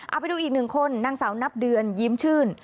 เอาไปดูอีกหนึ่งคนนางสาวนับเดือนยิ้มชื่น